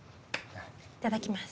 いただきます。